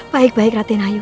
baik baik ratin ayu